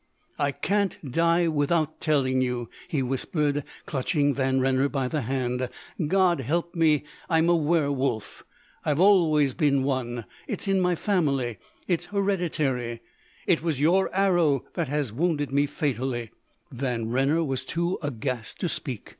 "I can't die without telling you," he whispered, clutching Van Renner by the hand. "God help me, I'm a werwolf! I've always been one. It's in my family it's hereditary. It was your arrow that has wounded me fatally." Van Renner was too aghast to speak.